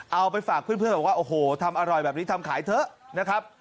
เอาไปฝากเพื่อนบอกว่าโอ้โหทำอร่อยแบบนี้ทำขายเถอะนะครับ